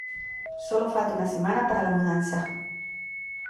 Sólo falta una semana para la mudanza.